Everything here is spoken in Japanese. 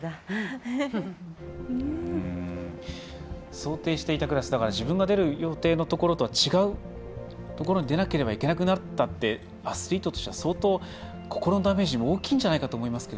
想定していたクラス自分が出る予定のところとは違うところに出なければいけなくなったってアスリートとしては相当、心のダメージが大きいんじゃないかと思いますが。